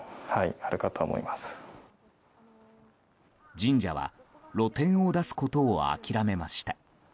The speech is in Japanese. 神社は露店を出すことを諦めました。